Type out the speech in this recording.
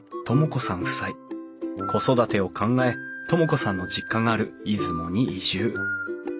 子育てを考え知子さんの実家がある出雲に移住。